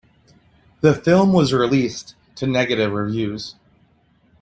The film was released to negative reviews.